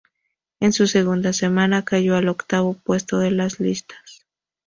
En su segunda semana cayó al octavo puesto de las listas.